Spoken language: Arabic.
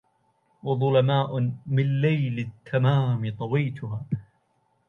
وظلماء من ليل التمام طويتها